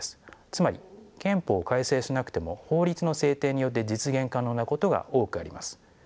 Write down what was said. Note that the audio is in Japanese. つまり憲法を改正しなくても法律の制定によって実現可能なことが多くあります。